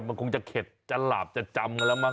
มันคงจะเข็ดจราบจะจำอะไรมั้ง